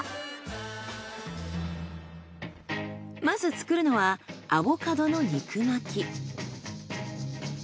まず作るのはアボカドの肉巻き。